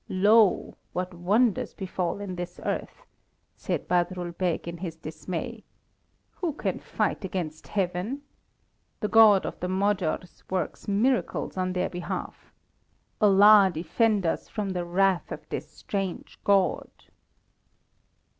"Lo! what wonders befall in this earth!" said Badrul Beg, in his dismay. "Who can fight against Heaven? The God of the Magyars works miracles on their behalf! Allah defend us from the wrath of this strange god!"